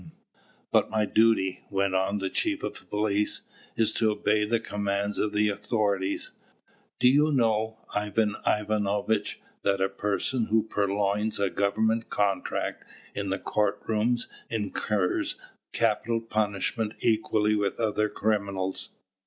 "But my duty," went on the chief of police, "is to obey the commands of the authorities. Do you know, Ivan Ivanovitch, that a person who purloins a government document in the court room incurs capital punishment equally with other criminals?"